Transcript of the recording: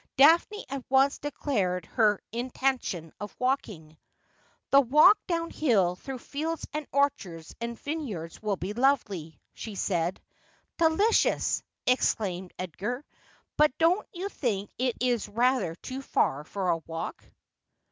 Daphne at once declared her in tention of walking. ' The walk downhill through fields and orchards and vine yards will be lovely,' she said. ' Delicious,' exclaiined Edgar ;' but don't you think it is rather too far for a walk